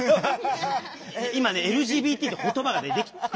今ねＬＧＢＴって言葉ができてる。